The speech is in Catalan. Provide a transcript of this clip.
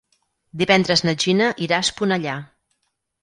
Divendres na Gina irà a Esponellà.